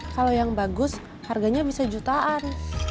kalau yang bagus harganya bisa jutaan